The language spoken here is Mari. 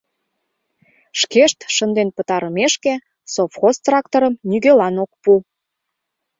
Шкешт шынден пытарымешке, совхоз тракторым нигӧлан ок пу...